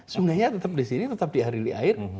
sungainya tetap di sini tetap diarili air